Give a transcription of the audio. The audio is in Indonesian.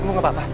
kamu gak apa apa